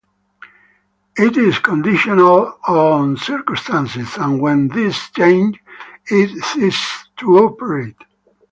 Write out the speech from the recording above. It is conditional on circumstances, and when these change it ceases to operate.